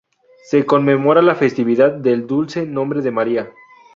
Se conmemora la Festividad del Dulce Nombre de María.